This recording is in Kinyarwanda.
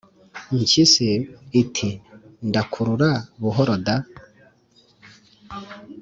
impyisi iti ndakurura buhoro da!